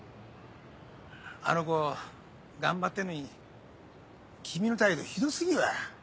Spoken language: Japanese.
あの子頑張ってんのに君の態度ひど過ぎるわ。